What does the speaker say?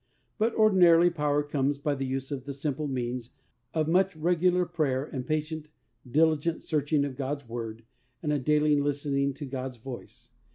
But ordinarily power comes by the use of the simple means of much regular prayer and patient, diligent search ing of God's Word and a daily listening to God's voice.